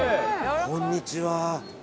こんにちは。